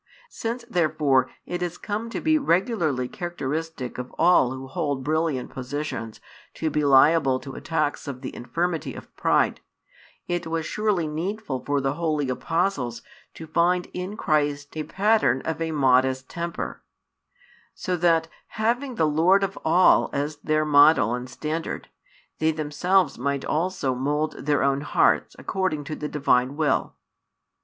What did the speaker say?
Since therefore it has come to be regularly characteristic of all who hold brilliant positions to be liable to attacks of the infirmity of pride, it was surely needful for the holy Apostles to find in Christ a Pattern of a modest temper; so that, having the Lord of all as their model and standard, they themselves also might mould their own hearts according to the Divine will.